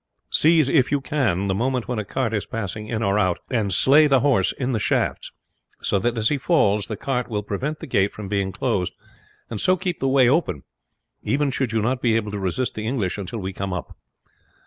Seize, if you can, the moment when a cart is passing in or out, and slay the horse in the shafts, so that as he falls the cart will prevent the gate from being closed, and so keep the way open, even should you not be able to resist the English until we come up.